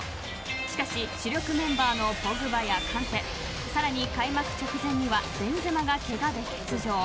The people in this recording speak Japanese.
しかし主力メンバーのポグバやカンテさらに開幕直前にはベンゼマがけがで欠場。